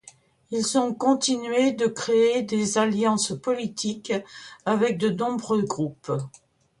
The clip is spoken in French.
Ils ont continué de créer des alliances politiques avec de nombreux groupes.